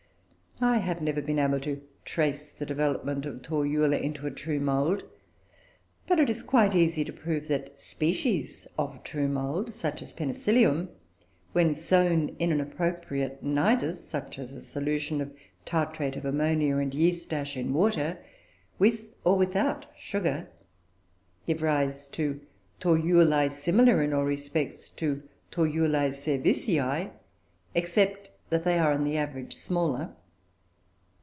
I have never been able to trace the development of Torula into a true mould; but it is quite easy to prove that species of true mould, such as Penicillium, when sown in an appropriate nidus, such as a solution of tartrate of ammonia and yeast ash, in water, with or without sugar, give rise to Toruloe, similar in all respects to T. cerevisioe, except that they are, on the average, smaller.